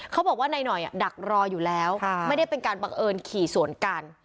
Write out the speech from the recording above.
เขาบอกว่านายหน่อยดักรออยู่แล้วไม่ได้เป็นการบังเอิญขี่สวนกัน